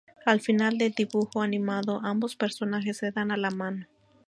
Al final del dibujo animado, ambos personajes se dan la mano.